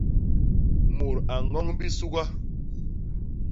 Mut a ñoñ bisuga.